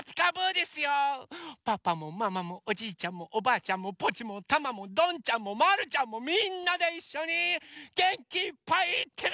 パパもママもおじいちゃんもおばあちゃんもポチもタマもどんちゃんもまるちゃんもみんなでいっしょにげんきいっぱいいってみよう！